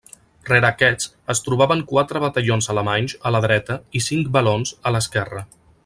Rere aquests es trobaven quatre batallons alemanys a la dreta i cinc valons a l'esquerra.